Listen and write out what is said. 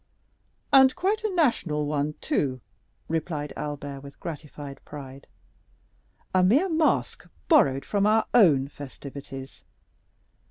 "And quite a national one, too," replied Albert with gratified pride. "A mere masque borrowed from our own festivities.